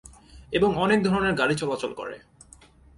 এবং অনেক ধরনের গাড়ি চলাচল করে।